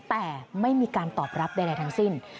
แต่ไม่มีการตอบรับใดทั้งสิ้น